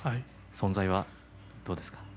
存在はどうですか？